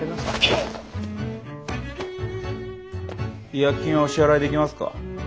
違約金はお支払いできますか？